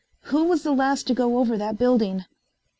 Who was the last to go over that building?"